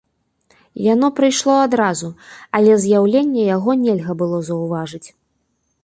Яно прыйшло адразу, але з'яўлення яго нельга было заўважыць.